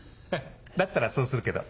だったらそうするけど。